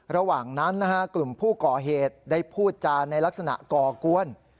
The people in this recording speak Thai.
ระหว่างนั้นนะฮะกลุ่มผู้ก่อเหตุได้พูดจานในลักษณะก่อกวน